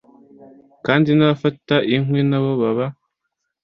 kandi n’abafata inkwi nabo baba